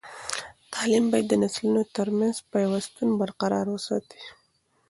تعلیم باید د نسلونو ترمنځ پیوستون برقرار وساتي.